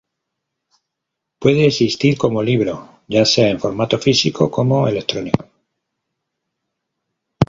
Pueden existir como libro ya sea en formato físico como electrónico.